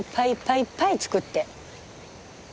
いっぱいいっぱい作って。